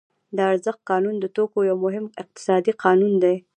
د ارزښت قانون د توکو یو مهم اقتصادي قانون دی